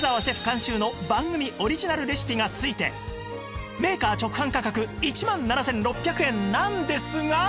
監修の番組オリジナルレシピがついてメーカー直販価格１万７６００円なんですが